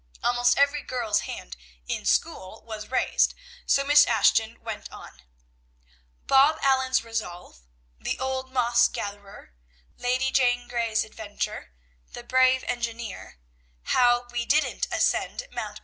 Almost every girl's hand in school was raised, so Miss Ashton went on: "Bob Allen's Resolve; The Old Moss Gatherer; Lady Jane Grey's Adventure; The Brave Engineer; How We didn't Ascend Mt.